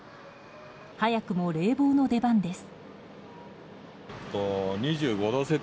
早くも冷房の出番です。